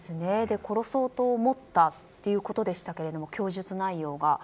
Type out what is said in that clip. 殺そうと思ってやったということでしたが供述内容が。